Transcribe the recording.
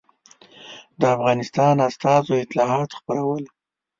د افغانستان استازو اطلاعات خپرول.